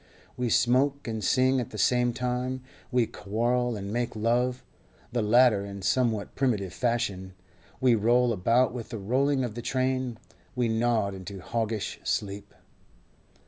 We smoke and sing at the same time; we quarrel and make love—the latter in somewhat primitive fashion; we roll about with the rolling of the train; we nod into hoggish sleep.